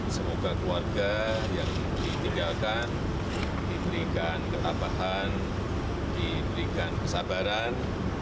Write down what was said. semoga keluarga yang ditinggalkan diberikan ketabahan diberikan kesabaran